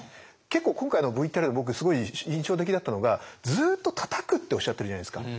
結構今回のＶＴＲで僕すごい印象的だったのがずっとたたくっておっしゃってるじゃないですか。